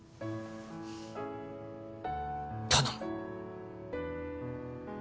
頼む。